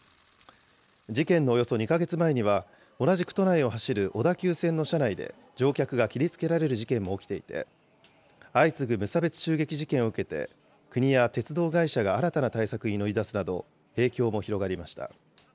事件のおよそ２か月前には、同じく都内を走る小田急線の車内で、乗客が切りつけられる事件も起きていて、相次ぐ無差別襲撃事件を受けて、国や鉄道会社が新たな対策に乗り出すなど、影響も広がりました。